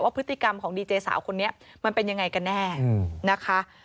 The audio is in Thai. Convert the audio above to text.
พฤติกรรมของดีเจสาวคนนี้มันเป็นยังไงกันแน่นะคะ